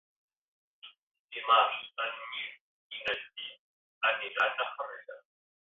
Dimarts en Mirt i na Judit aniran a Farrera.